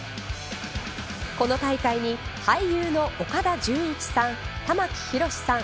この大会に俳優の岡田准一さん玉木宏さん